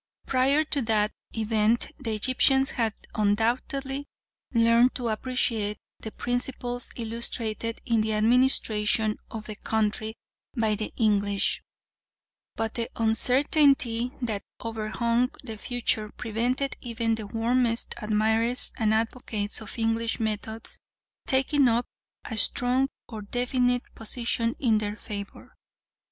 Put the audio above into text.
Prior to that event the Egyptians had undoubtedly learned to appreciate the principles illustrated in the administration of the country by the English, but the uncertainty that overhung the future prevented even the warmest admirers and advocates of English methods taking up a strong or definite position in their favour.